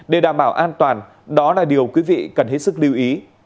để đảm bảo an toàn đó là điều quý vị cần hết sức lưu ý